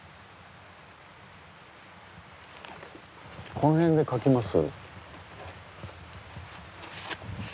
この辺で描きます。